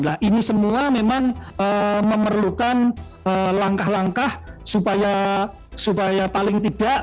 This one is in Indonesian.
nah ini semua memang memerlukan langkah langkah supaya paling tidak